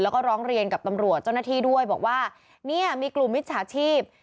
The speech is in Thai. แล้วก็ร้องเรียนกับตำรวจเจ้าหน้าที่ด้วยบอกว่าเนี่ยมีกลุ่มมิจฉาชีพ